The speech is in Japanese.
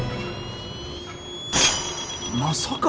まさか。